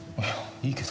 いいけど。